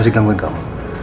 masih gangguin kamu